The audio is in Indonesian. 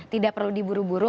tidak perlu diburu buru